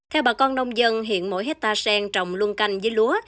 theo bà con nông dân hiện mỗi hectare sen trồng luân canh với lúa